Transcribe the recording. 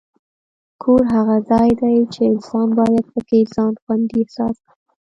کور هغه ځای دی چې انسان باید پکې ځان خوندي احساس کړي.